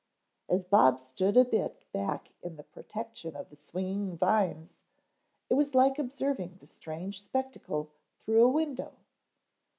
As Bob stood a bit back in the protection of the swinging vines it was like observing the strange spectacle through a window.